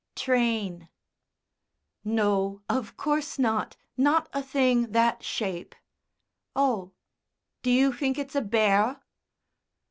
"Train." "No, of course not; not a thing that shape." "Oh! Do you think it's a bear?"